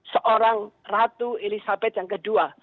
seorang ratu elizabeth yang kedua